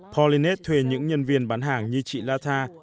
polinet thuê những nhân viên bán hàng như chị latha